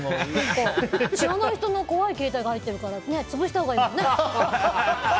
知らない人の怖い携帯が入ってるから潰したほうがいいもんね。